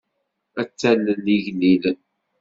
Ad talel igellilen.